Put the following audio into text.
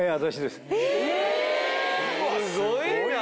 すごいな。